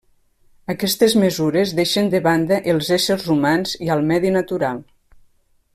Aquestes mesures deixen de banda els éssers humans i al medi natural.